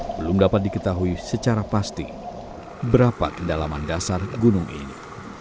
belum dapat diketahui secara pasti berapa kedalaman dasar gunung ini